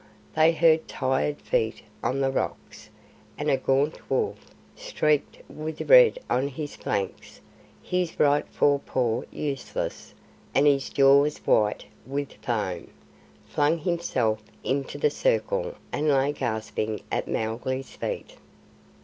They heard tired feet on the rocks, and a gaunt wolf, streaked with red on his flanks, his right fore paw useless, and his jaws white with foam, flung himself into the circle and lay gasping at Mowgli's feet.